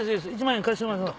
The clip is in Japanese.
１万円貸しますわ。